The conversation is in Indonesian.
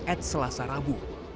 at selasa rabu